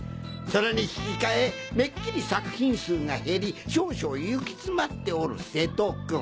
それにひきかえめっきり作品数が減り少々行き詰まっておる瀬戸君。